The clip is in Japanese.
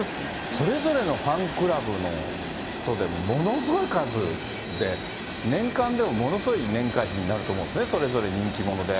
これ、それぞれのファンクラブの人でものすごい数で、年間でも、ものすごい年会費になると思うんですね、それぞれ人気者で。